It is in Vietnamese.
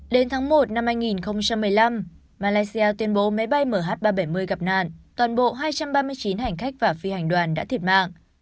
đến tháng một năm hai nghìn một mươi năm malaysia tuyên bố máy bay mh ba trăm bảy mươi gặp nạn toàn bộ hai trăm ba mươi chín hành khách và phi hành đoàn đã thiệt mạng